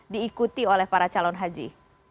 diikuti oleh para calon haji